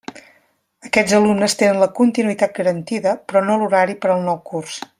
Aquests alumnes tenen la continuïtat garantida, però no l'horari per al nou curs.